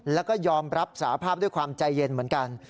แล้วก็ยอมรับสาภาพด้วยความใจเย็นเหมือนกัน